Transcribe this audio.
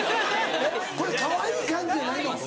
えっこれかわいい感じじゃないの？